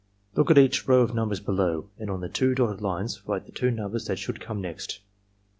"Look at each row of numbers below, and on the two dotted lines write the two numbers that should come next.